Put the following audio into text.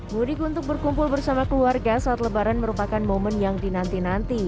mudik untuk berkumpul bersama keluarga saat lebaran merupakan momen yang dinanti nanti